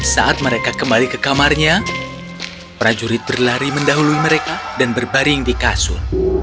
saat mereka kembali ke kamarnya prajurit berlari mendahului mereka dan berbaring di kasur